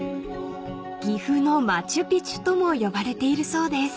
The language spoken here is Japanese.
［岐阜のマチュピチュとも呼ばれているそうです］